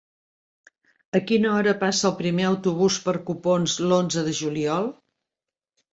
A quina hora passa el primer autobús per Copons l'onze de juliol?